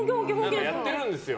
やってるんですよ。